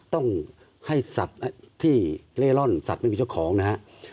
ต้องให้สัตว์ที่เล่ร่อนสัตว์ไม่มีเจ้าของนะครับ